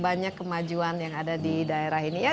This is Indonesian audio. banyak kemajuan yang ada di daerah ini ya